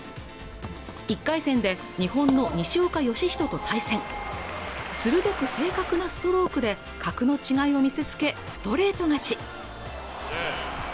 １回戦で日本の西岡良仁と対戦鋭く正確なストロークで格の違いを見せつけストレート勝ち